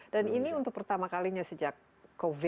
dan ini untuk pertama kalinya sejak covid sembilan belas